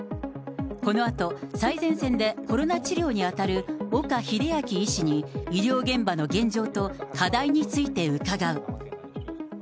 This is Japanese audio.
このあと、最前線でコロナ治療に当たる岡秀昭医師に、医療現場の現状と、課題について伺う。